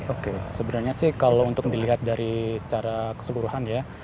oke sebenarnya sih kalau untuk dilihat dari secara keseluruhan ya